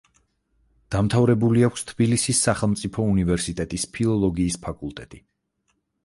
დამთავრებული აქვს თბილისის სახელმწიფო უნივერსიტეტის ფილოლოგიის ფაკულტეტი.